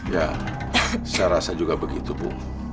ya saya rasa juga begitu bu